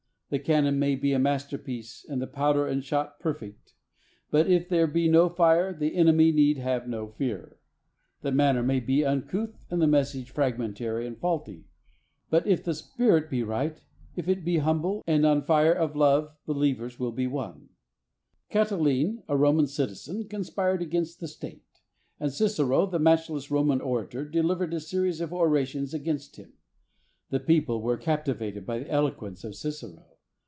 The cannon may be a masterpiece and the powder and shot perfect, but if there be no fire, the enemy need have no fear. The manner may be uncouth and the message fragmentary and faulty, but if the spirit be right, if it be humble, and on fire of love, believers will be won. 160 THE soul winner's SECRET. Cataline, a Roman citizen, conspired against the State, and Cicero, the matchless Roman orator, delivered a series of orations against him. The people were captivated by the eloquence of Cicero.